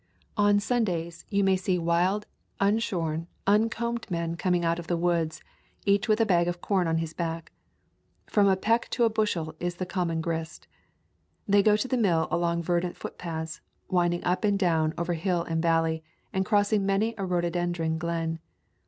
On Sundays you may see wild, unshorn, un combed men coming out of the woods, each with a bag of corn on his back. From a peck to a bushel is a common grist. They go to the mill along verdant footpaths, winding up and down over hill and valley, and crossing many a rho dodendron glen.